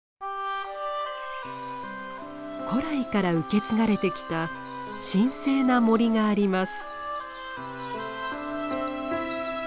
古来から受け継がれてきた神聖な森があります。